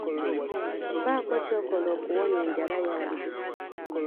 Bako kyokola okuwonya enjala yange.